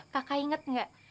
kakak inget gak